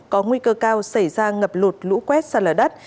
có nguy cơ cao xảy ra ngập lột lũ quét xa lở đất